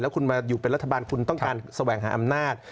คุณมาอยู่เป็นรัฐบาลคุณต้องการแสวงหาอำนาจ